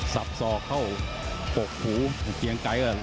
ทรัพย์สอบเข้าปกหูของเกียงไกรก่อน